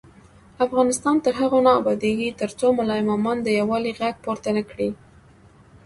افغانستان تر هغو نه ابادیږي، ترڅو ملا امامان د یووالي غږ پورته نکړي.